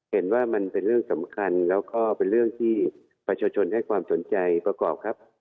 เห็นว่ามันเป็นเรื่องสำคัญแล้วก็เป็นเรื่องที่ประชาชนให้ความสนใจประกอบครับ